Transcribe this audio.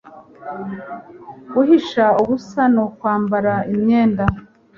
Guhisha ubusa ni ukwambara imyenda